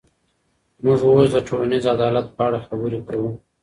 موږ اوس د ټولنیز عدالت په اړه خبرې کوو.